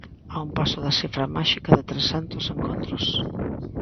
A un paso da cifra máxica de trescentos encontros.